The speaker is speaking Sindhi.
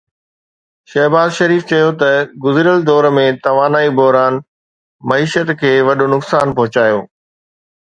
شهباز شريف چيو ته گذريل دور ۾ توانائي بحران معيشت کي وڏو نقصان پهچايو